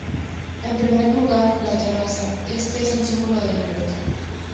En primer lugar, la terraza, esta es un símbolo de libertad.